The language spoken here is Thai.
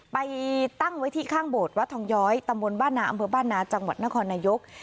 ไปตั้งไว้ที่ข้างโบสถวัดทองย้อยตำบลบ้านนาอำเภอบ้านนาจังหวัดนครนายก